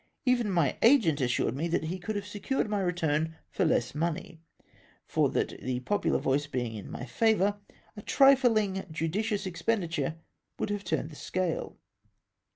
Even my agent assm^ed me that he could have secm ed my return for less money, for that the popular voice being m my favom", a trifling judicious expenditm e would have turned the scale.